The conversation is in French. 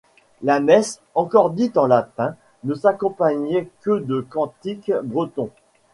La messe, encore dite en latin ne s'accompagnait que de cantiques bretons.